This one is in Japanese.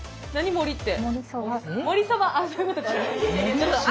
もりって？